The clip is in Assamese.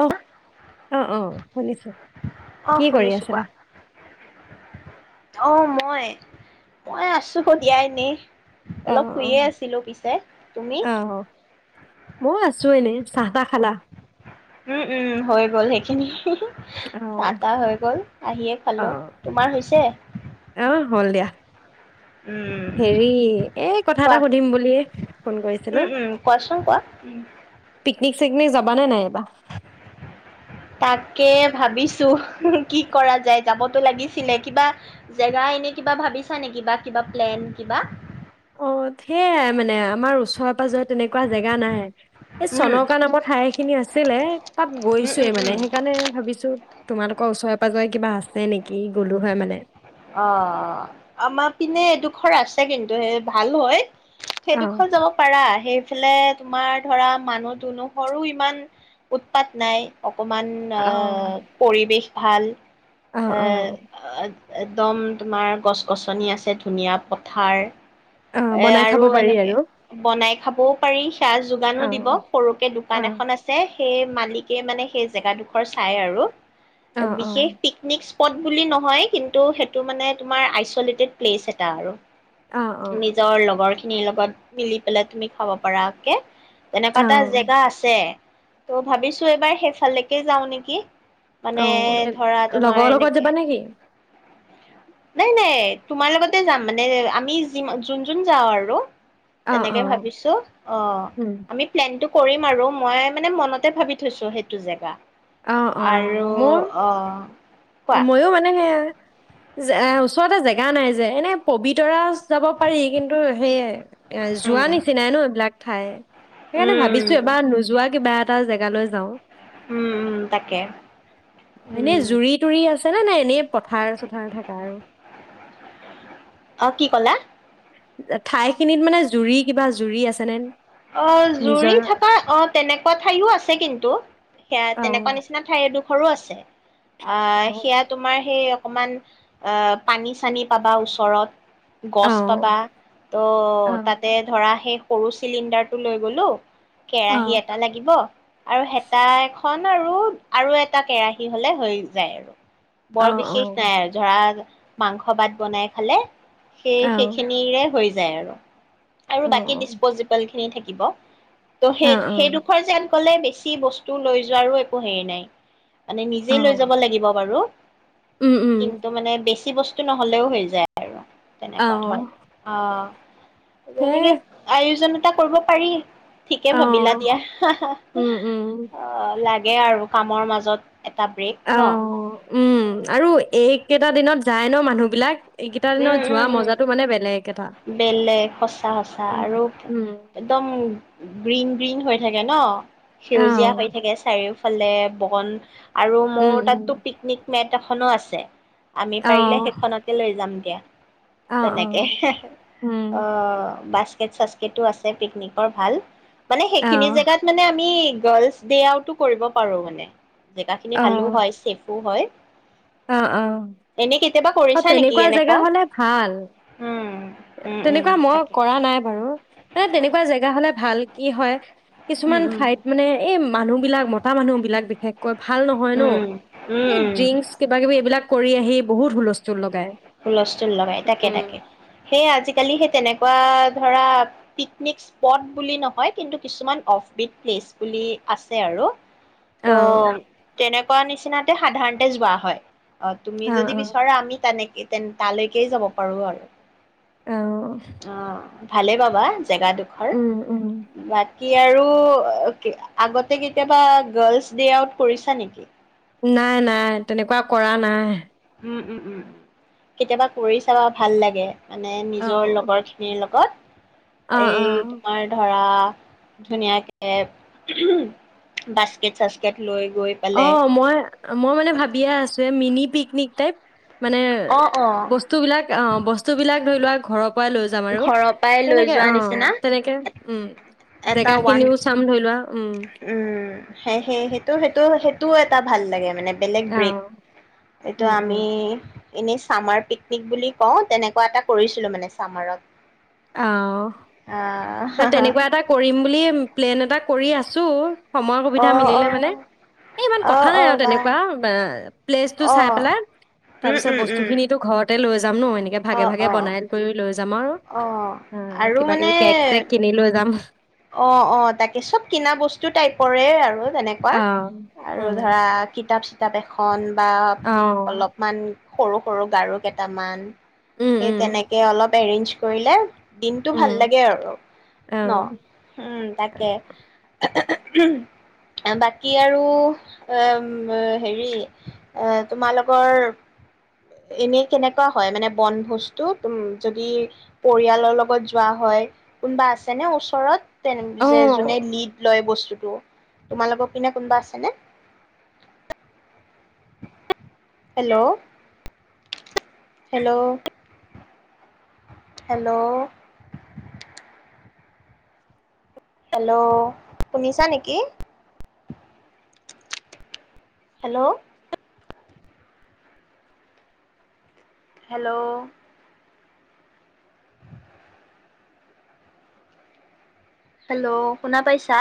অহ, অ' অ' শুনিছোঁ। আহ শুনিছো কোৱা? অ মই মই আছো সন্ধিয়া এনেই। অ অলপ অ শুইয়ে আছিলো পিছে তুমি? অ মই আছো এনেই চাহতাহ খালা? উম উম হৈ গ'ল সেইখিনি। অ চাহ তাহ হৈ গ'ল, আহিয়ে অ খালোঁ তোমাৰ হৈছে? অ হ'ল দিয়া। উম হেৰি এই কথা এটা কোৱা সুধিম বুলিয়ে ফোন কৰিছিলো? উম উম কোৱাচোন কোৱা পিকনিক চিকনিক যাবা নে নাই এইবাৰ? তাকে ভাবিছো কি কৰা যায়, যাবতো লাগিছিলে কিবা জেগা এনে কিবা ভাবিছা নেকি বা কিবা প্লেন কিবা? অ সেয়াই মানে আমাৰ ওচৰে -পজৰে।। তেনেকুঁৱা জেগা নাই। এই উম চনকা নামৰ ঠাই খিনি আছিলে, তাত উম গৈছোঁয়ে উম উম মানে সেইকাৰণে ভাবিছোঁ।। তোমালোকৰ ওচৰে পাঁজৰে কিবা আছে নেকি গ'লো হয় মানে। অ আমাৰ পিনে এডোখৰ আছে কিন্তু সেই ভাল হয়।। সেই অ ডোখৰ যাব পাৰা সেই।। এইফালে তোমাৰ ধৰা মানুহ দুনুহৰো ইমান উৎপাত নাই। অকণমান অ এ পৰিৱেশ।। ভাল। অ অ এহ ভাল।। একদম তোমাৰ গছ গছনি আছে ধুনীয়া পথাৰ।। অ এ বনাই আৰু খাব পাৰি এনেকে আৰু বনাই খাবও পাৰি সেয়া যোগানো অ দিব সৰুকে দোকান অ এখন আছে সেই মালিকে মানে সেই জেগাডোখৰ চাই আৰু অ', বিশেষ অ', পিকনিক [inaudible] বুলি নহয়, কিন্তু সেইটো মানে তোমাৰ আইছ'লেটেড প্লেচ এটা আৰু অ', অ', নিজৰ লগৰ খিনিৰ লগত মিলি পেলাই তুমি খাব পৰাকে তেনেকুৱা এটা অ', জেগা আছে। ত' ভাবিছোঁ এইবাৰ সেইফালেকে যাওঁ নেকি? মানে অ', ধৰা তোমাৰ লগৰ লগত এনেকে যাবা নেকি? নাই, নাই তোমাৰ লগতে যাম মানে আমি কিমান? যোন যোন যাওঁ আৰু অ', তেনেকে অ', ভাবিছোঁ, অ উম, আমি প্লেনটো কৰিম আৰু মই মানে মনতে ভাবি থৈছোঁ সেইটো জেগা। অ', আৰু অ', মোৰ আহ ময়ো মানে সেয়া ওচৰতে জেগা নাই যে, এনে পবিতৰা যাব পাৰি কিন্তু সেইয়ে, যোৱা উম নিচিনাই ন এইবিলাক ঠাই সেইকাৰণে উম ভাবিছোঁ এবাৰ নোযোৱা কিবা এ এটা জেগালৈ যাওঁ। উম উম তাকে, এনেই উম। জুৰি তুৰি আছে নে নাই এনেই পথাৰ-চথাৰ থকা আৰু অ' কি কলা? ঠাই খিনিত মানে জুৰি কিবা জুৰি আছেনে? অ' জুৰি থকা অ তেনেকুৱা ঠাইও আছে কিন্তু, সেয়া তেনেকুৱা অ', নিচিনা ঠাই এডো সৰু আছে। আঃ অ', সেয়া তোমাৰ সেই অকমান আঃ পানী-চানী পাবা ওচৰত। গছ অ', পাবা ত' অ', তাতে ধৰা সেই পুৰুষ চিলিণ্ডাৰটো লৈ গ'লো কেৰাহী অ', এটা লাগিব, আৰু হেতাই খন আৰু, আৰু এটা কেৰাহী হ'লে হৈ যায় আৰু বৰ বিশেষ নাই আৰু ধৰা মাংস ভাত বনাই খালে সেই, সেইখিনিৰে হৈ যায়। জেৰ আৰু বাকী দি সিয়ে থাকিব। ত' সেই সেইডোখৰ যেন কলে বেছি বস্তু লৈ যোৱাৰো একো হেৰি নাই মানে নিজেই লৈ যাব লাগিব বাৰু। কিন্তু, মানে বেছি কি বস্তু নহ'লেও হৈ যায় আৰু। তেনেকুৱা ধৰ, অ। যেনেকে প্ৰয়োজনতা কৰিব পাৰি। ঠিকে ভাবিলা দিয়া, হা-হা, অ লাগে আৰু। কামৰ মাজত। এটা ব্ৰেক ন অ', উম, আৰু এইকেইটা দিনত যায় ন মানুহবিলাক? এইকেইটা দিনত উম যোৱা উম মজাতো মানে বেলেগ। এটা বেলেগ, সচাঁ-সঁচা উম, আৰু উম, একদম। গ্ৰীণ-গ্ৰীণ হৈ থাকে ন? অ, সেউজীয়া হৈ থাকে চাৰিওফ ফালে বগন। আৰু, উম, মোৰ উম, তাতটো পিকনিক মেট এ, এখনো আছে। আমি অ, পাৰিলে সেইখনতে লৈ যাম [inaudible] অ, অ, তেনেকে, সে উম, অ' বাস্কেট-চাস্কেটো আছে পিকনিকৰ ভাল মানে অ, সেইখিনি জেগাত মানে আমি গাৰ্লছ ডে' আউটো কৰিব পাৰো মানে। জেগা অ, খিনি ভালো হয়, ছেফো হয় অ, অ, উম, এনে কেতিয়াবা অ, কৰিছা নেকি তেনেকুৱা জেগা এনেকুৱা? হ'লে ভাল উম। উম উম তেনেকুৱা মই তাকে কৰা নাই বাৰ ৰু, এ তেনেকুৱা জেগা হলে ভাল, কি হয় উম কিছুমান উম ঠাইত মানে এই মানুহবিলাক মতা মানুহবিলাক বিশেষ কয়, ভাল নহয় ন'। উম, এই উম, উম, ড্ৰিংকচ, কিবা-কিবি এইবিলাক কৰি আহি বহুত হুলস্থুল লগায়। হুলস্থুল লগায়, তাকে তাকে। সেই আজিকালি সেই তেনেকুৱা ধৰা, পিকনিক স্পট বুলি নহয়, কিন্তু কিছুমান অফবিট প্লেছ বুলি আছে আৰু। ত', অ তেনেক কোৱা নিচিনাকে সাধাৰণতে যোৱা হয়। অ', তুমি যদি বিচৰা আমি তেনেক তেন তালৈকে যাব পাৰোঁ অ আৰু। অ'। ভালে পাবা। জেগাডোখৰ। উম উম বাত কি আৰু, [unintelligible] আগতে কেতিয়াবা গাৰ্লছ ডে আউট কৰিছা নেকি? নাই, নাই তেনেকুৱা কৰা নাই। উম, উম, উম, উম। কেতিয়াবা কৰি চাবা ভাল লাগে। মানে অ নিজৰ লগৰখিনিৰ লগত। অ এই অ তোমাৰ ধৰা ধুনীয়াকে, বাস্কেট-চাস্কেটলৈ অ', মই-মই মানে ভাবিয়ে আছোঁ, এ, মিনি পিকনিক [unintelligible] মানে এ, অ', অ', বস্তু বিলাক, অ', বস্তুবিলাক ধৰি লোৱা ঘৰ পুৱাই লৈ যাম আৰু। ঘৰৰ পৰাই লৈ তেনেকে যোৱা অ', নিচিনা তেনেকে উম, এটা ওৱান জেগাখিনিও চাম ধৰি লোৱা। উম উম সেয়ে সেই সেইটো-সেইটো-সেইটোও এটা ভাল লাগে মানে বেলেগ অ ব্ৰেড। এইটো উম আমি উম এনেই চামাৰ পিকনিক বুলি কওঁ, তেনেকুৱা এটা কৰিছিলোঁ মানে চামাৰত। অ'। আহ, নে তেনেকুৱা এটা কৰিম বুলি প্লেন এটা কৰি আছোঁ সময় সুবিধা অ', মিলিলে অ', মানে, এই ইমান কথা অ', নাই অ', আৰু বা তেনেকুৱা প্লেচটো চাই অ'। পেলাই উম তাৰপিছত উম উম বস্তুখিনিও ঘৰত। হেল্লো। জানো, এনেকে অ ভাগে-ভাগে অ বনাই কৰি লৈ যাম আৰু অ আৰু কিবা কিবি মানে কে। অ', অ, তাকে চব কিনা বস্তু টাইপৰে আৰু তেনেকুৱা, অ আৰু উম ধৰা কিতাপ-চিত কিতাপ এখন। বা অ অলপমান। সৰু সৰু গাৰু কেইটামান। উম সেই উম তেনেকে অলপ এৰেঞজ। কৰিলে। দিনটো ভাল উম লাগে আৰু ন অ উম তাকে। বাকী আৰু এ হেৰি এ তোমালোকৰ এনেই কেনেকুৱা হয়, মানে বন বস্তু টোম যদি পৰিয়ালৰ লগত যোৱা হয় কোনোবা আছেনে ওচৰত? যে অ যোনে লিড লয় বস্তু [unintelligible] তোমালোকৰ পনে কোনোবা আছেনে হেল্ল' হেল্ল' হেল্ল। হেল্ল, শুনিছা নেকি? হেল্ল' হেল্ল' হেল্ল' শুনা পাইছা